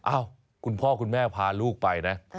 คุณพ่อคุณแม่พาลูกไปนะ